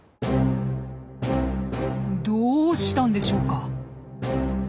どうしたんでしょうか？